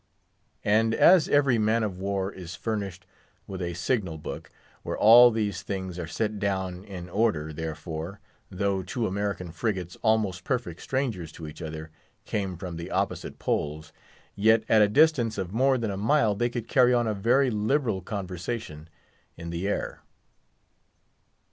And as every man of war is furnished with a signal book, where all these things are set down in order, therefore, though two American frigates—almost perfect strangers to each other—came from the opposite Poles, yet at a distance of more than a mile they could carry on a very liberal conversation in the air.